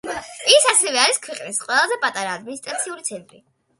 ის ასევე არის ქვეყნის ყველაზე პატარა ადმინისტრაციული ცენტრი.